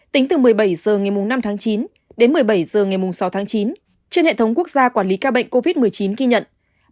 tính từ một mươi bảy h ngày năm tháng chín đến một mươi bảy h ngày sáu tháng chín trên hệ thống quốc gia quản lý ca bệnh covid một mươi chín ghi nhận